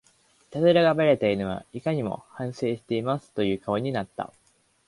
イタズラがバレた犬はいかにも反省してますという顔になった